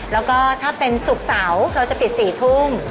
แล้วก็ถ้าเป็นศุกร์เสาร์เราจะปิด๔ทุ่ม